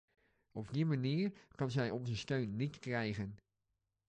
Op die manier kan zij onze steun niet krijgen.